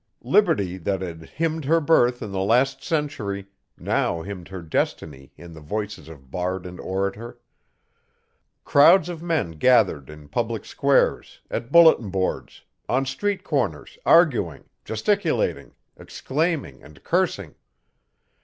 Liberty that had hymned her birth in the last century now hymned her destiny in the voices of bard and orator. Crowds of men gathered in public squares, at bulletin boards, on street corners arguing, gesticulating, exclaiming and cursing.